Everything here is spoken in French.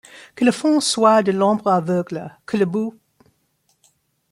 Que le fond soit de l’ombre aveugle, que le bout